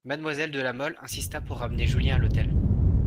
Mademoiselle de La Mole insista pour ramener Julien à l'hôtel.